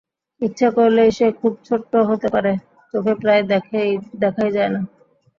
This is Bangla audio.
ইচ্ছে করলেই সে খুব ছোট্টো হতে পারে, চোখে প্রায় দেখাই যায় না।